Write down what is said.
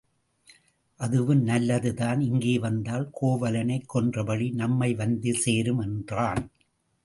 அதுவும் நல்லது தான் இங்கே வந்தால் கோவலனைக் கொன்ற பழி நம்மை வந்து சேரும் என்றான்.